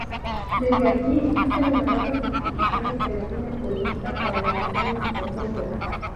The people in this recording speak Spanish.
Desde allí existen numerosas instituciones que definen políticas para la región en su conjunto.